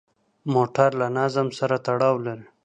موټر له نظم سره تړاو لري.